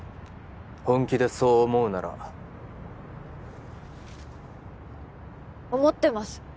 本気でそう思うなら思ってます